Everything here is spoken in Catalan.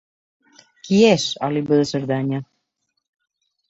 Qui és Oliba de Cerdanya?